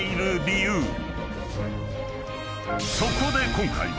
［そこで今回は］